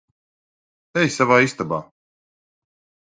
Ej savā istabā.